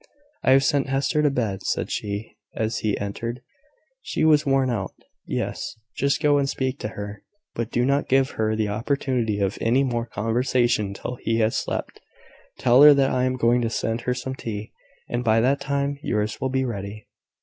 "I have sent Hester to bed," said she, as he entered. "She was worn out. Yes: just go and speak to her; but do not give her the opportunity of any more conversation till she has slept. Tell her that I am going to send her some tea; and by that time yours will be ready."